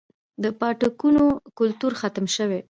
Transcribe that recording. د پاټکونو کلتور ختم شوی